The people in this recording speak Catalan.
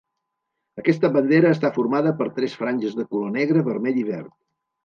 Aquesta bandera està formada per tres franges de color negre, vermell i verd.